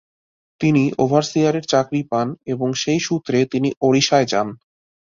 তিনি ওভারসিয়ারের চাকরি পান এবং সেই সূত্রে তিনি ওড়িশায় যান।